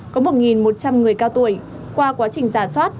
có một một trăm linh người cao tuổi qua quá trình rào sát